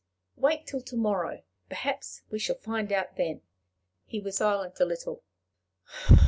"Wait till to morrow. Perhaps we shall find out then." He was silent a little.